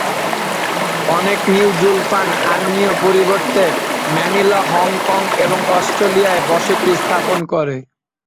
অনেক New Julfan আর্মেনীয় পরবর্তীতে ম্যানিলা, হংকং এবং অস্ট্রেলিয়ায় বসতি স্থাপন করে।